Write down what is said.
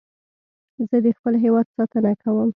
زه د خپل هېواد ساتنه کوم